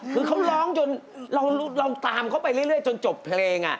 คือเขาร้องจนเราตามเขาไปเรื่อยจนจบเพลง